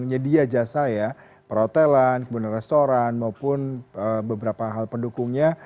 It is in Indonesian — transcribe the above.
penyedia jasa ya perhotelan kemudian restoran maupun beberapa hal pendukungnya